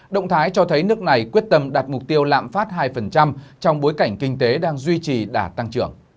động thái cho thấy nước này quyết tâm đạt mục tiêu lạm phát hai trong bối cảnh kinh tế đang duy trì đả tăng trưởng